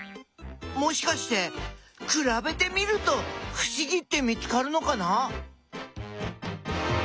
もしかしてくらべてみるとふしぎって見つかるのかな？